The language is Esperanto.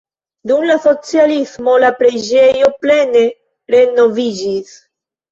Dum la socialismo la preĝejo plene renoviĝis.